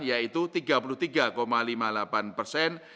yaitu tiga puluh tiga lima puluh delapan persen